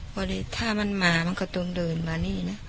พอถ้ามันมามันก็ต้องเดินมานี่นะ